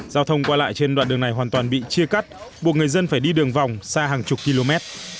giao thông qua lại trên đoạn đường này hoàn toàn bị chia cắt buộc người dân phải đi đường vòng xa hàng chục km